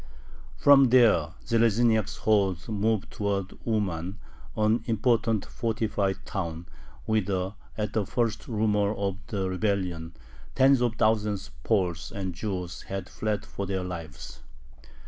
From there Zheleznyak's hordes moved towards Uman, an important fortified town, whither, at the first rumor of the rebellion, tens of thousands of Poles and Jews had fled for their lives.